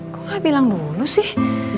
kok bilang dulu sih